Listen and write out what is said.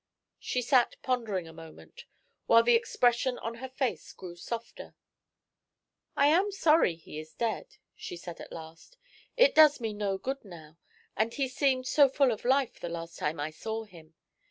She sat pondering a moment, while the expression on her face grew softer. "I am sorry he is dead," she said, at last. "It does me no good now and he seemed so full of life the last time I saw him.